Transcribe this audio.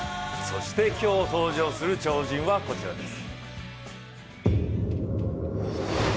今日登場する超人はこちらです。